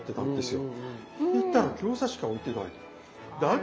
行ったら餃子しか置いてないの。